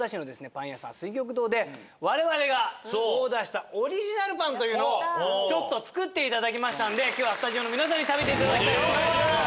パン屋さん「翠玉堂」で我々がというのをちょっと作っていただきましたので今日はスタジオの皆さんに食べていただきたいと思います。